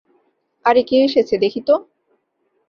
আরে, কে এসেছে দেখি তো!